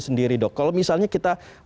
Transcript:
sendiri dok kalau misalnya kita